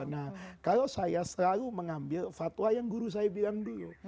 nah kalau saya selalu mengambil fatwa yang guru saya bilang dulu